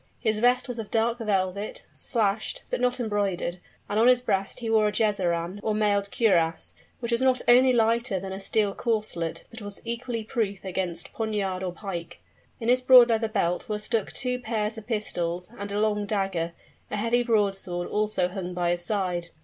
His vest was of dark velvet, slashed, but not embroidered; and on his breast he wore a jazeran, or mailed cuirass, which was not only lighter than a steel corselet, but was equally proof against poniard or pike. In his broad leather belt were stuck two pairs of pistols, and a long dagger; a heavy broadsword also hung by his side.